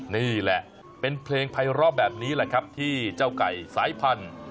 นี่แหละเป็นเพลงภัยร้อแบบนี้แหละครับที่เจ้าไก่สายพันธุ์